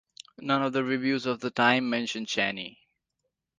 None of the reviews of the time mention Chaney.